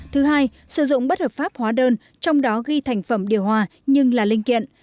thứ hai sử dụng bất hợp pháp hóa đơn trong đó ghi thành phẩm điều hòa nhưng là linh kiện